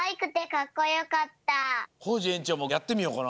コージえんちょうもやってみようかな。